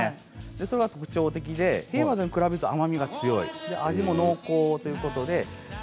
それが特徴的でヘイワードに比べて甘みが強い甘みも味も濃厚ということです。